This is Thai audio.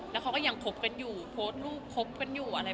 แล้วเขาก็ยังโพสต์ของยังอยู่ไว้